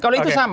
kalau itu sama